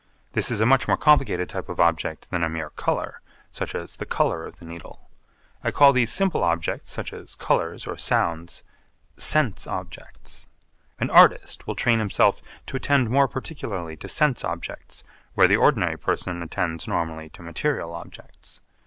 This is a much more complicated type of object than a mere colour, such as the colour of the Needle. I call these simple objects, such as colours or sounds, sense objects. An artist will train himself to attend more particularly to sense objects where the ordinary person attends normally to material objects.